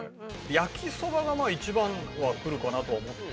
焼きそばが１番はくるかなとは思った。